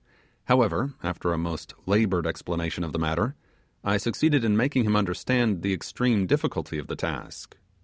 However, after a most laboured explanation of the matter, I succeeded in making him understand the extreme difficulty of the task.